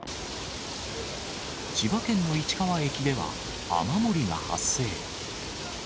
千葉県の市川駅では、雨漏りが発生。